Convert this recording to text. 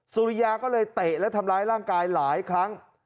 สุริยาก็เลยเตะและทำร้ายร่างกายหลายครั้ง